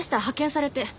派遣されて。